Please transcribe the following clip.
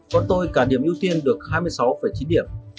còn tôi cả điểm ưu tiên được hai mươi sáu chín điểm